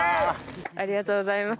ありがとうございます。